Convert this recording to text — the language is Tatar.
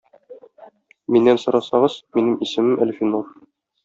Миннән сорасагыз, минем исемем Әлфинур.